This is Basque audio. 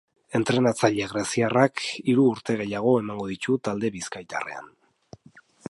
Entrenatzaile greziarrak hiru urte gehiago emango ditu talde bizkaitarrean.